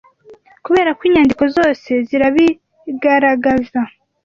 Kubera ko inyandiko zose zirabigaragaza